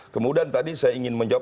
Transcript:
kemudian tadi saya ingin menjawab